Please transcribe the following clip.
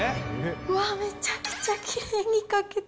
めちゃくちゃきれいに書けた。